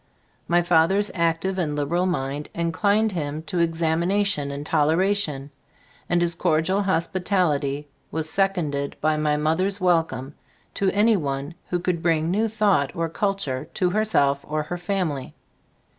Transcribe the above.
My father's x io Gbe Storg ot Ag Gbf Iftbooft active and liberal mind inclined him to examination and toleration, and his cordial hospitality was seconded by my mother's welcome to any one who could bring new thought or culture to herself or her family.